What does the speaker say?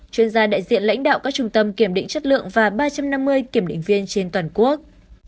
chuyên gia đại diện lãnh đạo các trung tâm kiểm định chất lượng và ba trăm năm mươi kiểm định viên trên toàn quốc